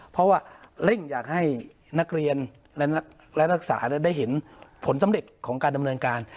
เพราะว่าเร่งอยากให้นักเรียนและนักศึกษาได้เห็นผลสำเร็จของการดำเนินการ